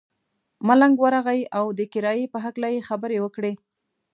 ملنګ ورغئ او د کرایې په هکله یې خبرې وکړې.